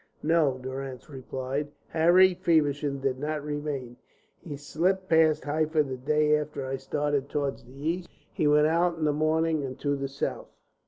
"No," Durrance replied. "Harry Feversham did not remain. He slipped past Halfa the day after I started toward the east. He went out in the morning, and to the south."